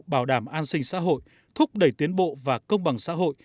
bảo đảm an sinh xã hội thúc đẩy tiến bộ và công bằng xã hội